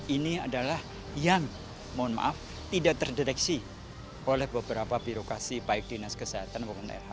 ini adalah yang mohon maaf tidak terdeteksi oleh beberapa birokrasi baik dinas kesehatan daerah